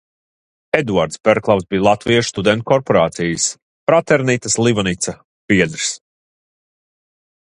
"Eduards Berklavs bija latviešu studentu korporācijas "Fraternitas Livonica" biedrs."